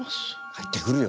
入ってくるよ。